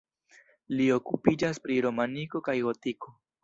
Li okupiĝas pri romaniko kaj gotiko.